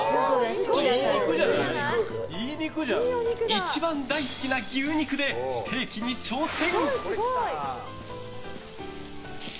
一番大好きな牛肉でステーキに挑戦！